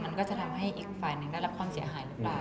มันก็จะทำให้อีกฝ่ายหนึ่งได้รับความเสียหายหรือเปล่า